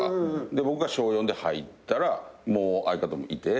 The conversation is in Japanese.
僕が小４で入ったらもう相方もいて。